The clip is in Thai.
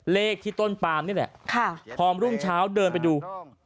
เลขที่ต้นปามนี่แหละพอรุ่งเช้าเดินไปดู